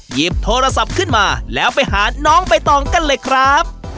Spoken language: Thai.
หยิบโทรศัพท์ขึ้นมาแล้วไปหาน้องใบตองกันเลยครับ